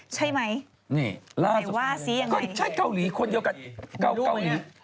ใช่ไหมใครว่าสิอย่างไรใช่เกาหลีคนเดียวกับเกาหลี